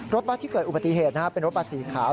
รถบัตรที่เกิดอุบัติเหตุเป็นรถบัตรสีขาว